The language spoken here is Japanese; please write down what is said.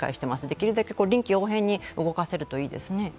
できるだけ臨機応変に動かせるといいですね。